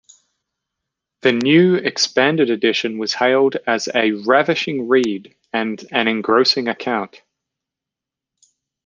The new, expanded edition was hailed as 'a ravishing read' and 'an engrossing account'.